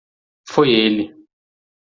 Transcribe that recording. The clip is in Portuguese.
Foi ele